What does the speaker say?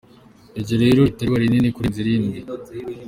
Iryo rero rihita riba rinini kurenza irindi.